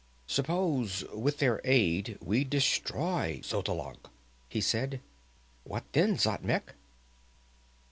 "Suppose with their aid we destroy Xotalanc," he said. "What then, Xatmec?"